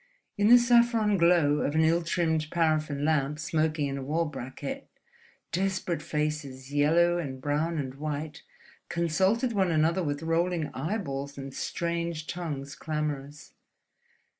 In the saffron glow of an ill trimmed paraffin lamp smoking in a wall bracket, desperate faces, yellow and brown and white, consulted one another with rolling eyeballs and strange tongues clamorous.